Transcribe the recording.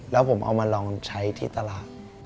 แล้วผมเอามาลองใช้ที่ตลาด